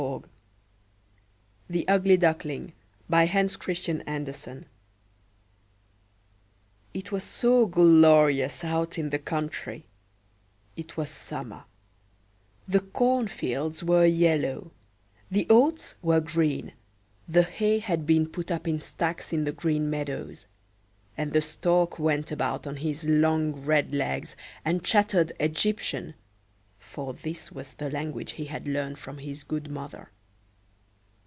rn The Harvard Classics. 1909–14. The Ugly Duckling IT was so glorious out in the country; it was summer; the cornfields were yellow, the oats were green, the hay had been put up in stacks in the green meadows, and the stork went about on his long red legs, and chattered Egyptian, for this was the language he had learned from his good mother.